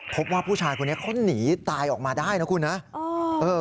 พบว่าผู้ชายคนนี้เข้านีตายออกมาตรงนี้นะครับ